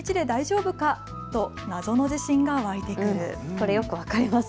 これよく分かります。